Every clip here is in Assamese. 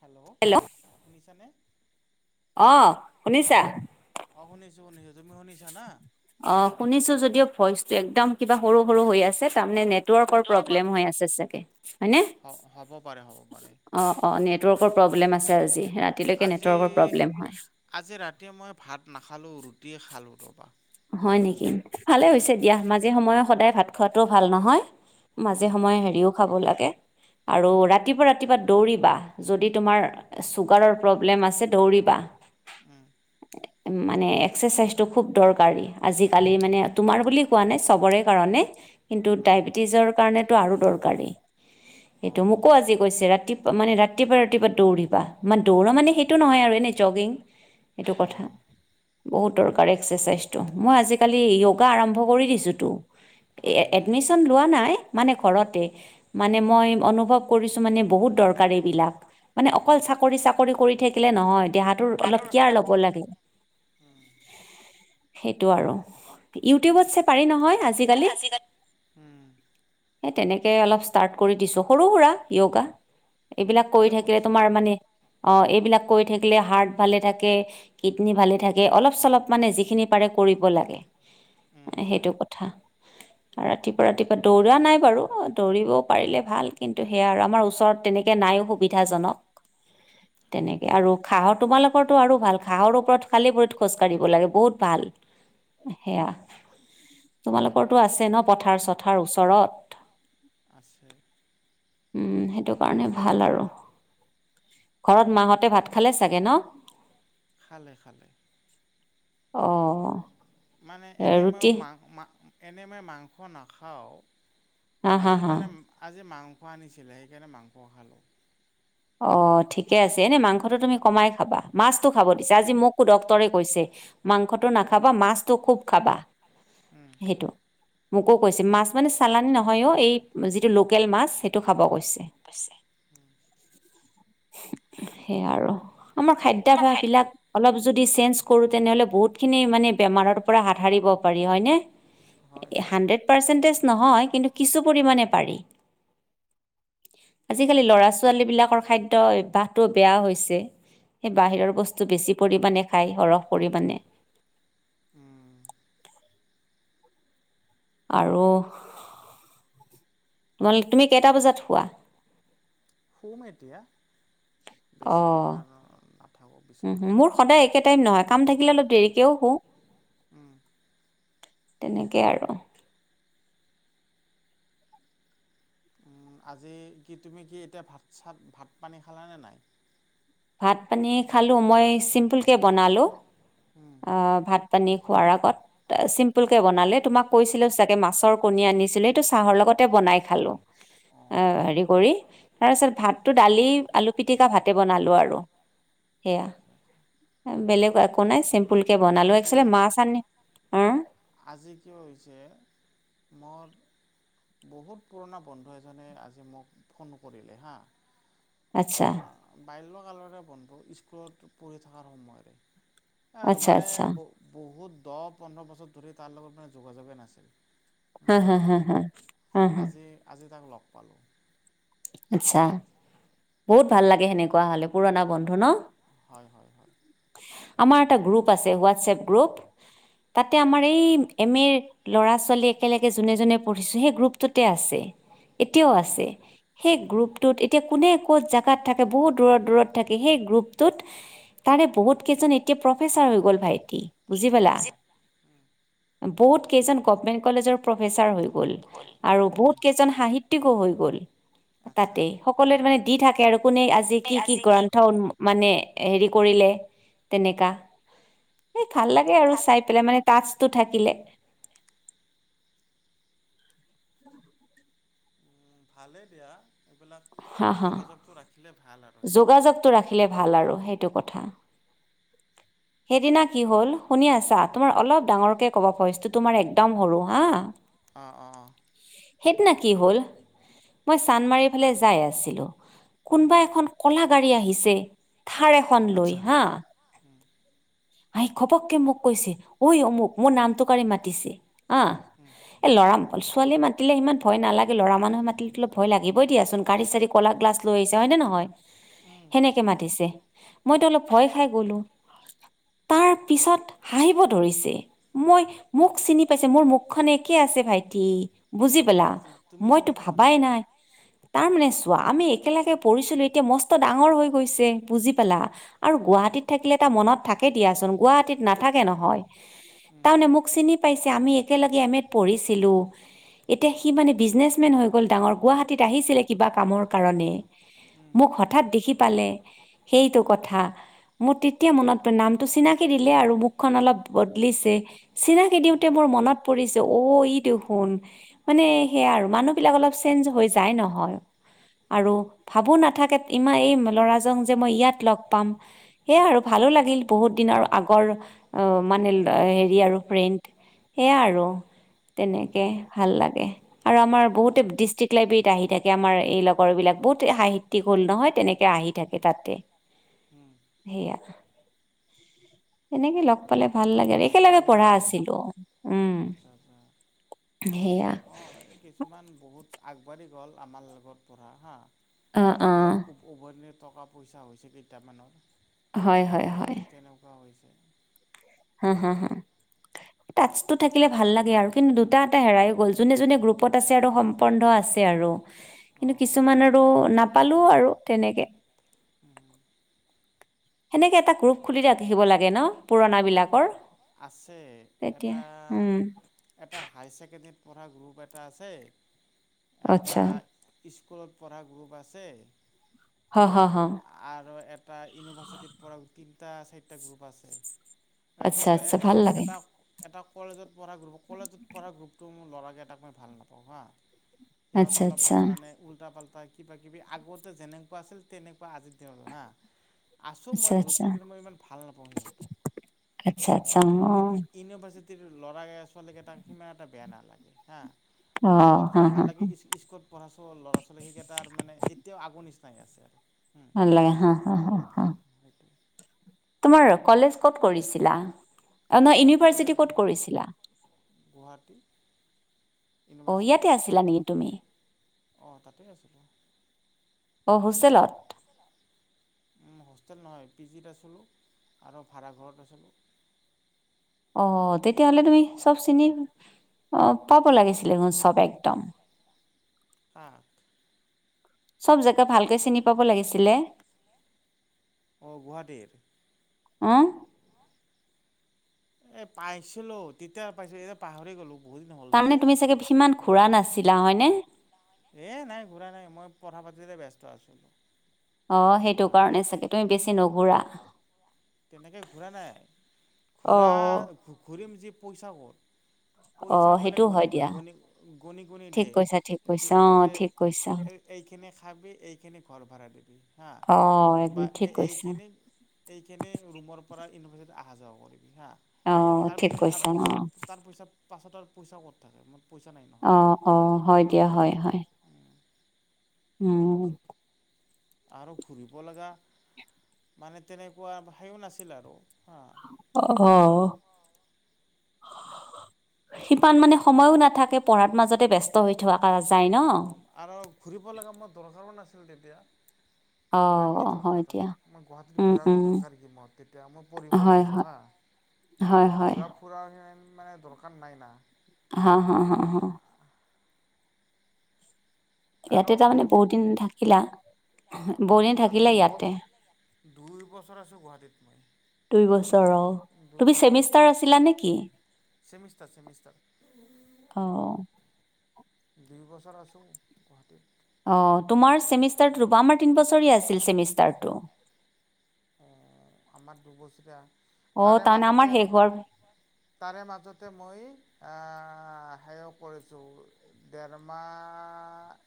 হেল্ল' অ শুনিছানে অ শুনিছা অ শুনিছোঁ শুনিছোঁ তুমি শুনিছা না অ শুনিছোঁ যদিও ভইচ টো একদম কিবা সৰু সৰু হৈ আছে তাৰমানে নেটৱৰ্কৰ প্ৰব্লেম হৈ আছে হয় চাগে হয়নে হ'ব পাৰে হ'ব পাৰে অ অ নেটৱৰ্কৰ প্ৰব্লেম আছে আজি ৰাতিলৈকে আজি নেটৱৰ্কৰ প্ৰব্লেম হয় আজি ৰাতিয়ে মই ভাত নাখালোঁ ৰুটিয়ে খালোঁ ৰ'বা হয় নেকি ভালে উম হৈছে দিয়া মাজে সময়ে সদায় ভাত খোৱাাতটোও ভাল নহয় মাজে উম সময়ে হেৰিও খাব লাগে আৰু ৰাতিপুৱা ৰাতিপুৱা দৌৰিবা যদি তোমাৰ চুগাৰৰ প্ৰব্লেম আছে দৌৰিবা উ মানে এক্সাৰচাইজ টো খুব দৰকাৰ গাড়ী আজিকালি মানে তোমাৰ বুলি কোৱা নাই চবৰে কাৰণে কিন্তু উম ডায়বেটিছৰ কাৰণেতটো আৰু দৰকাৰী এইটো অঁ মোকো আজিাল কৈছে ৰাতিপা মানে ৰাতিপুৱা ৰাতিপুৱা দৌৰিবা মানে দৌৰা মানে সেইটো নহয় আৰু এনেই জগিং সেইটো কথা অঁ বহুত দৰকাৰী এক্সাৰচাইজ হয় নেকি ালিম্ লোৱা নাই মানে ঘৰতে মানে মই অনুভৱ কৰিছো মানে বহুত দৰকাৰ এইবিলাক মানে অকল চাকৰি চাকৰি কৰি থাকিলে নহয় দেহাটোৰ অলপ কেয়াৰ ল'ব লাগে উম সেইটো আৰু ইউটিউবত চ পাৰি নহয় আজিকালি উম সেই তেনেকৈ অলপ ষ্টাৰ্ট কৰি দিছোঁ সৰু সুৰা য়োগা এইবিলাক ভালে কৰি থাকিলে কৰিছা তোমাৰ মানে অঁ এইবিলাক কৈ থাকিলে হাৰ্ট ভালে থাকে কিডনী ভালে থাকে অলপ চলপ মানে যিখিনি একাৰে কৰিব লাগে উম সেইটো কথা ৰাতিপুৱা ৰাতিপুৱা দৌৰা নাই বাৰু দৌৰিব পাৰিলে ভাল কিন্তু সেয়া আৰু আমাৰ ওচৰত তেনেক গকে নায়ো সুবিধাজনক হয় তেনেকৈ আৰু খাঁহৰ তোমালোকৰৰতো আৰু ভাল ঘাঁহৰ ওপৰত খালী পৰিত খোজ কঢ়িব লাগে বহুত পাল সেয়া তোমালোকৰটোো আছে ন পথাৰ চথাৰ ওচৰত আছেছে সেইটো কাৰণে ভাল আৰু ঘৰত মাহঁতে ভাত খালে চাগে ন খালে খালে অঁ মানে এনেময় এনেমই মাংস নাখাওঁ হা হা আজি হা মানে আজি মাংস আনিছিলে সেইকাৰণে মাংস খালোঁ অঁ ঠিকে আছে এনেই মাংসটো তুমি কমাই খাবা মাছটো খাব দিছা আজি মোকো ডক্টৰে কৈছে মাংসটো নাখাবা মাছটো খুব খাবা উম সেইটো মোকো কৈছে মাছ মানে চালানী নহয়ো এই যিটো লোকেল মাছ সেইটো খাব কৈছে পছে সেইয়াই আৰু আমাৰ খাদ্্যাভাস বিলাক অলপ যঞো তেনেহলে বহুতখিনিান বেমাৰৰ পৰা হাত সাৰিব পাৰি হয়নে হয় হয় হাণ্ড্ৰেড প ছোৱালী বিিলাকৰ খাদ্য অভ্যাহটো বেয়া হৈছে সেই বাহিৰৰ বস্তু বেছি পৰিমাণে খায় সৰহ পৰিমাণে শুম আৰু তোমাল তুমি কেইটা বজাত শুৱা? শুম এতিয়া বেছি অঁ সময় আৰু নাথাকোঁ উম বিচনাত। হুম, মোৰ সদায় একে টাইম নহয়, কাম থাকিলে অলপ দেৰিকেও শুও উ্ তেনেকে আৰু। আজি কি তুমি কি এতিয়া ভাত চাত, ভাত পানী খালানে নাই? ভাত পানী খালোঁ মই চিম্পুলকৈ বনালোঁ। উম্। অ' ভাত পানী খোৱাৰ আগত চিম্পুল কে বনালে, তোমাক কৈছিলো চাগে মাছৰ কণী আনিছিলে এইটো চাহৰ লগতে বনাই খালোঁ। অ' হেৰি কৰি তাৰ পিছত ভাততো দালি, আলু পিটিকা, ভাতে বনালো আৰু। সয়া এক নাই, চিম ফুলকে বনালো আজি একচলি মাছ আনি আজি কিয় হৈছে মোৰ বহুত পুৰণা বন্ধু এজনে আজি মোক ফোন কৰিলে হা আচ্ছা। বাল্যকালৰে বন্ধ, স্কুলত পঢ়ি থকাৰ সময়ৰে। এ আচ্ছা মানে, আচ্ছা বহুত দহ-পোন্ধৰ বছৰ ধৰি তাৰ লগত মানে যোগাযোগে নাছিল। উ্ হা হা হা হা হা হা আজি আজি তাক লগ পালোঁ। আচ্ছা, বহুত ভাল লাগে সেনেকুৱা হলে পুৰণা বন্ধু ন? হয় হয় হয়। আমাৰ এটা গ্ৰুপ আছে হোৱাটছএপ গ্ৰুপ তাতে আমাৰ এই, এম এৰ ল'ৰা-ছোৱালী একেলগে যোনে যোনে পঢ়িছো সেই গ্ৰুপটোতে আছে, এতিয়াও আছে। সেই উম গ্ৰুপটোত এতিয়া কোনে ক'ত জেগাত থাকে। বহুত দূৰত দূৰত থাকে সেই গ্ৰুপটোত তাৰে বহুত কেইজন এতিয়া প্ৰফেচাৰ হৈ গ'ল ভাইটি। বুজি পালা, বহুত কেইজন গভমেন্ট কলেজৰ প্ৰফেচাৰ হৈ গ'ল, আৰু উম বহুত কেইজন সাহিত্যিকো হৈ গ'ল। আচ্ছা। তাতে সকলোৱে মানে দি থাকে, আৰু কোনে আজি কি কি গ্ৰন্থ উ মানে হেৰি কৰিলে, তেনেকা এই ভাল লাগে আৰু চাই পেলাই মানে টাচটো থাকিলে। ভালেই দিয়া। এইবিলাক হা যোগাযোগটো ৰাখিলে ভাল আৰু সেয়। টো ৰাখিলে ভাল আৰু সেইটো কথা। [unintelligible] সেইদিনা কি হ'ল শুনি আছা? তোমাৰ অলপ ডাঙৰকে কবা ভইচটো তোমাৰ একদম সৰু হা। অ' অ' অ' সেইদিনা কি হ'ল মই চান্মাৰি ফালে যাই আছিলোঁ উম কোনোবা এখন কলা গাড়ী আহিছে, থাৰ এখন লৈ হা হম। আহ খপককে মোক কৈছে ঐ অমুক, মোৰ নামটো কাৰি মাতিছে হা। [unintelligible] এ লৰা ম উম ছোৱালীয়ে মাতিলে ইমান ভয় নালাগে। লৰা মানুহে মাতিলে অলপ ভয়‌ লাগিবই দিয়া চোন‌। গাড়ী চাড়ী কলা গ্লাছ লৈ আহিছে হয়নে নহয়। উম সেনেকে মাতিছে মইতো অলপ ভয় খাই গ'লো। তাৰ পিছত হাঁহিব ধৰিছে। মই উম মোক চিনি পাইছে, মোৰ মুখ খন একে আছে ভাইটি। বুজি অঁ পালা তুমি চিনি মইতো পোৱা ভাবাই নাই। [unintelligible] তাৰ মানে চোৱা আমি একেলগে পঢ়িছিলো, এতিয়া মস্ত ডাঙৰ হৈ গৈছে, বুজি পালা। আৰু অঁ। গুৱাহাটীত থাকিলে এটা মনত থাকে দিয়াচোন, গুৱাহাটীত নাথাকে নহয়। তাৰমানে মোক চিনি পাইছে, আমি একেলগে এম এত পঢ়িছিলো। এতিয়া সি মানে, বিজনেচমেন হৈ গ'ল ডাঙৰ। গুৱাহাটীত আহিছিলে কিবা কামৰ কাৰণে। মোক হঠাৎ দেখি পালে সেইটো কথা মোৰ তেতিয়া মনত নামটো চিনাকি দিলে আৰু মুখখন অলপ বদলিছে। চিনাকি দিওঁতে মোৰ মনত পৰিছে অ' ই দেখোন। মানে সেয়া আৰু মানুহবিলাক অলপ চেঞ্জ হৈ যায় নহয়। আৰু ভাবো নাথাকে ইমান এই ল'ৰাজন যে মই ইয়াত লগ পাম। সেয়য়া আৰু ভালো লাগিল বহুত দিন আৰু আগৰ মানে হেৰি আৰু ফ্ৰেণ্ড। সেয়া আৰু উম উম উম। উম তেনেকে উম ভাল লাগে। আৰু আমাৰ বহুতে ডিষ্ট্ৰিক্ট লাইব্ৰেৰীত আহি থাকে আমাৰ এই লগৰবিলাক। বহুতে সাহিত্য হ'ল নহয় তেনেকৈ আহি থাকে তাতে। [inaudible] উম। সেইয়া। এনেকে লগ পালে ভাল লাগে আৰু একেলগে ভাল পঢ়া লাগে আছিলো। উম, আচ্ছা আচ্ছা সেয়া। হয় কিছুমান বহুত আগবাঢ়ি গ'ল আমাৰ লগত পঢ়া হা অ অ উভয় নদি টকা পইচা হৈছে কেইটামানৰ হয় হয় হয় ত' তেনেকুৱা হৈছে। হম, হম, হম। টাচকটো থাকিলে ভাল লাগে আৰু কিন্তু দুটা এটা হেৰাই গ'ল যোনে যোনে গ্ৰুপত আছে আৰু সমন্ধ আছে আৰু কিন্তু অঁ কিছুমান আৰু নাপালো আৰু তেনেকে সেনেকৈ এটা গ্ৰুপ খুলি ৰাখিব লাগে ন পুৰণাবিলাকৰ। আছে এটা এটা হায়াৰ ছেকেণ্ডেৰীত পঢ়া গ্ৰুপ এটা আছে এটা আচ্ছা স্কুলত পঢ়া গ্ৰুপ আছে হ হ অ'। হ আৰু এটা ইউনিভাৰ্চিটিৰ পৰা তিনিটা চাৰিটা গ্ৰুপ আছে। আচ্ছা কিন্তু আচ্ছা ভাল লাগে এটা এটা কলেজত পঢ়া গ্ৰুপ কলেজত পঢ়া গ্ৰুপটো মোৰ ল'ৰাকে এটাক মই ভাল নাপাওঁ হা। সিহঁত আচ্ছা আচ্ছা অলপমান মানে উল্টা পাল্টা কিবা কিবি আগতে যেনেকুৱা আছিল তেনেকুৱা আজিৰ দিনটো হা। আছোঁ আচ্ছা মই আচ্ছা গ্ৰুপটোত কিন্তু ইমান ভাল নাপাওঁ সিহঁতক। আচ্ছা আচ্ছা কি অ কিন্তু ইউনিভাৰ্চিটিৰ ল'ৰাকেই ছোৱালীকেইতাক সিমান এটা বেয়া নালাগে হা। অ আৰু হা ফতকৈ হা ভাল লাগে স্কু-স্ক পঢ়া ল'ৰা ছোৱালী সেইকেইটাৰ মানে এতিয়াও আগৰ নিচিনাই আছে আৰু। নালাগে হা হা হা। সেইটোয়ে। তোমাৰ কলেজ ক'ত কৰিছিলা? অ', নহয় ইউনি ক'লে ভাৰচিতি ক'ত কৰিছিল? গুৱাহাটী অ', ইউনিভাৰ্চিটি ইয়াতে আছিলা নেকি তুমি? অঁ তাতে আছিলোঁ অ', হোষ্টেলত। হোষ্টেল নহয় পি জিত আছিলো আৰু ভাড়াঘৰত আছিলো। অ', তেতিয়াহ'লে তুমি চব চিনি অ' পাব লাগিছিলে চব একদম। কাৰ? চব জেগা ভালকে চিনি পাব লাগিছিলে। অ', গুৱাহাটীৰ? অ'। এ পাইছিলো তেতিয়া পাইছিলো এতিয়া পাহৰি গ'লো। তাৰমানে তুমি চাগে সিমান ঘূৰা নাছিলা হয়নে? এই নাই ঘূৰাই নাই মই পঢ়া পাতিতে ব্যস্ত আছিলো। অ', সেইটো কাৰণে চাগে তুমি বেছি নুঘূৰা। তেনেকৈ ঘূৰা নাই ঘূৰা অ', ঘূৰিম যি পইচা ক'ত। পইচা অ', মানে সেইটো হয় দিয়া। গণি-গণি-গণি-গণি ঠিক দিয়ে কৈছা, ঠিক এই কৈছা। অ', যে-যে ঠিক কৈছা। এই এইখিনি খাবি, এইখিনি ঘৰ ভাড়া দিবি হাঁ অ', বা একদম ঠিক কৈছা। এইখিনি কেনে ৰুমৰ পৰা ইউনিভাৰ্চিটিত অহা যোৱা কৰিবি হা, অ', ঠিক তাৰপিছত আৰু কৈছা। পইচা অ', তাৰ পইচা পাছত আৰু পইচা ক'ত থাকে, মোৰ পইচা নাই নহয় অ', অ', হয় দিয়া, হয়, হয়। উম, আৰু ঘূৰিব লগা মানে, তেনেকুৱা সেও নাছিল আৰু হা অ ', অ', সিমান মানে, সময়ো নাথাকে পঢ়াৰ মাজতে ব্যস্ত হৈ থকা যায় ন অঁ আৰু ঘূৰিব লগা মোৰ দৰকাৰো নাছিল তেতিয়া ঘূৰা কি অ', হয় দৰকাৰ দিয়া। মই গুৱাহাটীত উম, ঘূৰাৰাক উম, দৰকাৰ কি মই তেতিয়া মই পৰিব হয়, গৈছোঁ হয়, হা হয়, হয় ফুৰা ফুৰা মানে, দৰকাৰ নাই না হা, হা, হা, হা, আৰু ইয়াতে মানে তাৰমানে কি বহুত দিন থাকিলা, বহু দিন তাতে থাকিলে দুব ইয়াতে। দুই বছৰ আছোঁ গুৱাহাটীত মই। দুই বছৰ অ, দুই তুমি বছৰ আছোঁ ছেমিষ্টাৰ আছিলা নেকি? ছেমিষ্টাৰ ছেমিষ্টাৰ অহ। দুই বছৰ আছোঁ গুৱাহাটীত। অ', তোমাৰ চেমিষ্টাৰ ৰুবা আমাৰ তিন বছৰীয়া আছিল চেমিষ্টাৰটো। অ', আমাৰ দুবছৰীয়া, অ তাৰে তাৰমানে আমাৰ মাজতে শেষ হোৱাৰ তাৰে মাজতে মই হেৰি অ কৰিছোঁ। ডেৰমাহ,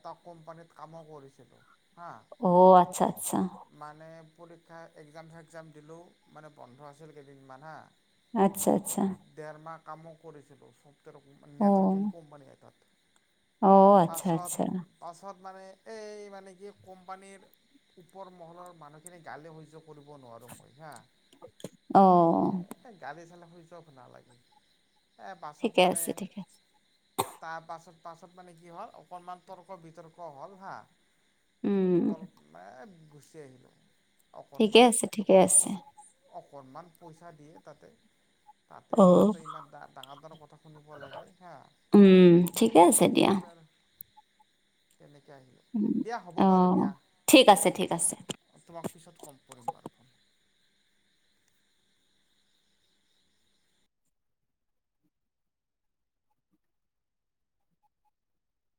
এটা কোম্পানীত কামো কৰিছিলোঁ হা। অ', আচ্ছা আচ্ছা। মানে, পৰীক্ষা একজাম চেকজাম দিলোঁ, মানে বন্ধ আছিল কেইদিনমান হা। আচ্ছা, আচ্ছা। ডেৰমাহ কামো কৰিছিলোঁ, ছফ্টৱেৰ অ নেটৱৰ্কিং কোম্পানী এটাত। অ', আচ্ছা পাছত আচ্ছা। পাছত মানে, এই মানে কি কোম্পানীৰ ওপৰ মহলৰ মানুহখিনি গালি সহ্য কৰিব নোৱাৰোঁ মই হা। অহ। গাড়ী চালে সহ্য নালাগে এ বাছত ঠিকে মানে আছে ঠিকে আছে তাৰপাছত পাছত মানে কি হ'ল অকণমান তৰ্ক বিতৰ্ক হ'ল হা। উম তল মে গুচি আহিলো। ঠিকে অকণমান, আছে ঠিকে আছে অকণমান পইচা দিয়ে তাতেই। অ তাতেই সিহঁতৰ ইমান ডাঙৰ ডাঙৰ কথা শুনিব লাগে হা। উম, ঠিকেই আছে সেই দিয়া। পাছত আৰু তেনেকৈ আহিলো। অ', ঠিক আছে ঠিক আছে। অঁ, তোমাক পিছত কম কৰিম বাৰু ফোন।